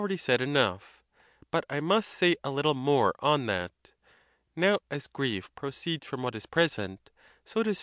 ready said enough; but I must say a little more on that. Now, as grief proceeds from what is present, so does fear